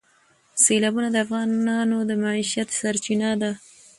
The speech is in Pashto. سیلابونه د افغانانو د معیشت سرچینه ده.